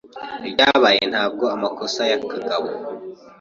Ibyabaye ntabwo amakosa ya kagabo